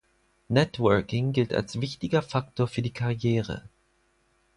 Networking gilt als wichtiger Faktor für die Karriere.